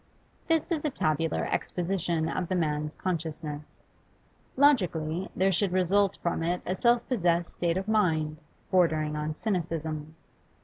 This is a tabular exposition of the man's consciousness. Logically, there should result from it a self possessed state of mind, bordering on cynicism.